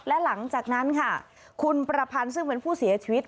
และหลังจากนั้นค่ะคุณประพันธ์ซึ่งเป็นผู้เสียชีวิต